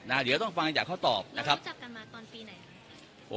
เดี๋ยวต้องฟังจากเขาตอบนะครับรู้จักกันมาตอนปีไหนคะ